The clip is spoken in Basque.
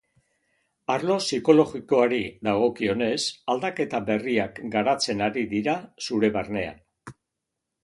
Arlo psikologikoari dagokionez, aldaketa berriak garatzen ari dira zure barnean.